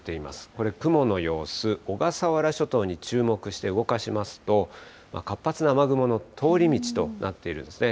これ、雲の様子、小笠原諸島に注目して動かしますと、活発な雨雲の通り道となっているんですね。